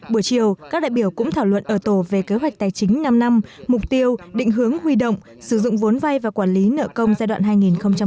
buổi chiều các đại biểu cũng thảo luận ở tổ về kế hoạch tài chính năm năm mục tiêu định hướng huy động sử dụng vốn vay và quản lý nợ công giai đoạn hai nghìn một mươi sáu hai nghìn hai mươi năm